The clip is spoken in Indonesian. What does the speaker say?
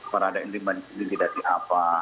peradaan ini berada di apa